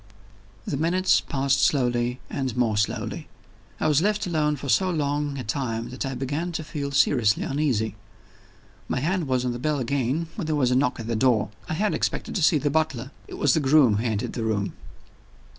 The minutes passed slowly and more slowly. I was left alone for so long a time that I began to feel seriously uneasy. My hand was on the bell again, when there was a knock at the door. I had expected to see the butler. It was the groom who entered the room.